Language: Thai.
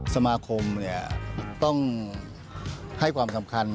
สมาคมต้องให้ความสำคัญ